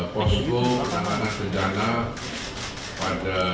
posko penanganan bencana pada